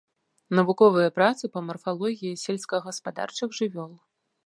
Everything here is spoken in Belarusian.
Навуковыя працы па марфалогіі сельскагаспадарчых жывёл.